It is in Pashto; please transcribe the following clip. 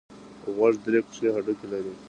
غوږ درې کوچني هډوکي لري.